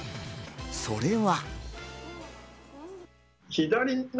それは。